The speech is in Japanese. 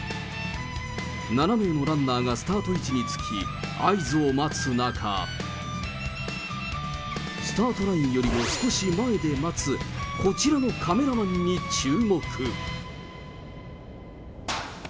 ７名のランナーがスタート位置につき、合図を待つ中、スタートラインよりも少し前で待つ、こちらのカメラマンに注目。